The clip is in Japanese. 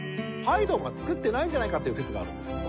ハイドンが作ってないんじゃないかっていう説があるんです。